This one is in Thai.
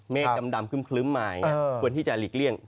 ดำคลึ้มมาอย่างนี้ควรที่จะหลีกเลี่ยง